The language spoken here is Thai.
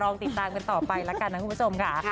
ติดตามกันต่อไปแล้วกันนะคุณผู้ชมค่ะ